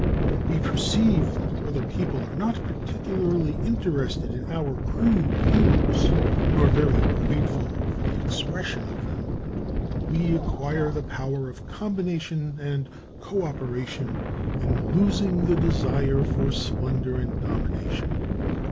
We perceive that other people are not particularly interested in our crude views, nor very grateful for the expression of them. We acquire the power of combination and co operation, in losing the desire for splendour and domination.